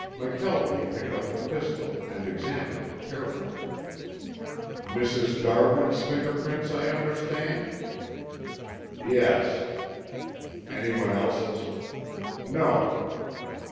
McKelvie picked up the pistol and examined it carefully. "Mrs. Darwin's finger prints, I understand?" "Yes." "Anyone else's?" "No."